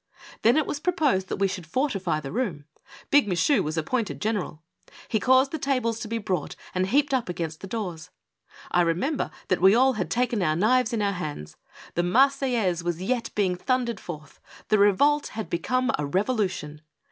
Then it was proposed that we should fortify the room. Big Michu Avas appointed general. lie caused the tables to be brought and heaped up against the doors. I remember that we all had taken our knives in our hands. The " Marseillaise was yet being thundered forth. The revolt had become a revolution.